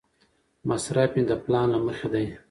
مصرف مې د پلان له مخې دی.